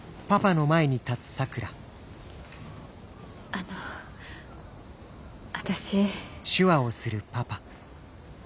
あの私。